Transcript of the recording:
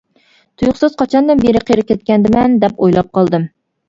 تۇيۇقسىز «قاچاندىن بېرى قېرىپ كەتكەندىمەن» دەپ ئويلاپ قالدىم.